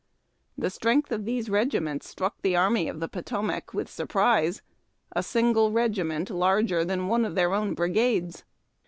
The strength of these regiments struck the Army of the Potomac with sur prise. A single regiment larger than one of their own brigades